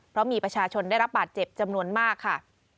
เพราะมีประชาชนได้รับบาดเจ็บจำนวนมากค่ะ